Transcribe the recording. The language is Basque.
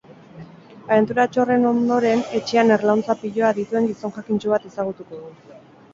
Abenturatxo horren ondoren, etxean erlauntza piloa dituen gizon jakintsu bat ezagutuko du.